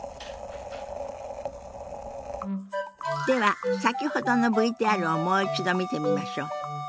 では先ほどのＶＴＲをもう一度見てみましょう。